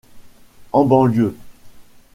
En banlieue...